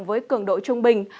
nhiệt độ trung bình